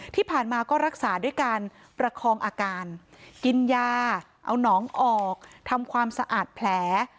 ที่ผ่านมาก็รักษาด้วยการประคองอาการกินยาเอาน้องออกทำความสะอาดแผล